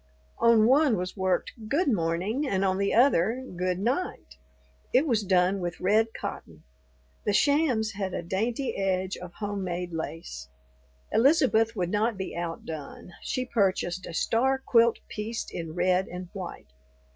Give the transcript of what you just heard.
On one was worked, "Good Morning"; on the other, "Good Night"; it was done with red cotton. The shams had a dainty edge of homemade lace. Elizabeth would not be outdone; she purchased a star quilt pieced in red and white.